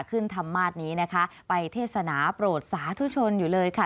ธรรมาศนี้นะคะไปเทศนาโปรดสาธุชนอยู่เลยค่ะ